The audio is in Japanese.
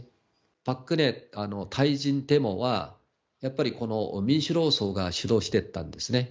パク・クネ退陣デモは、やっぱりこの民主労総が主導していったんですね。